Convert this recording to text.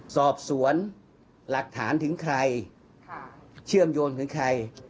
สอบสวนหลักฐานถึงใครเชื่อมโยงถึงใคร